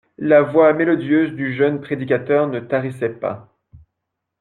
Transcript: La voix mélodieuse du jeune prédicateur ne tarissait pas.